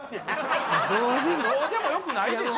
どうでもよくないでしょ